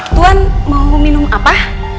tuhan mau minum apa